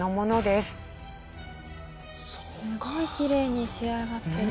すごいきれいに仕上がってる。